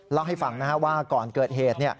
เล่าให้ฟังว่าก่อนเกิดเหตุ